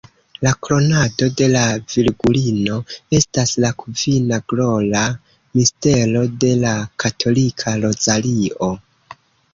La "Kronado de la Virgulino" estas la kvina glora mistero de la katolika rozario.